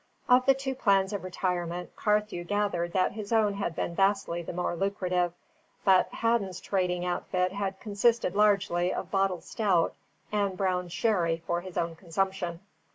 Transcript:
Of the two plans of retirement, Carthew gathered that his own had been vastly the more lucrative; but Hadden's trading outfit had consisted largely of bottled stout and brown sherry for his own consumption.